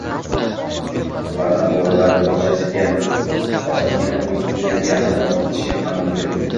ularni bolalar bog‘chasiga osongina o‘ynagani olib ketishi ham mumkin.